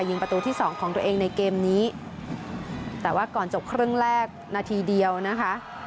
ยิงประตูที่สองของตัวเองในเกมนี้แต่ว่าก่อนจบครึ่งแรกนาทีเดียวนะคะ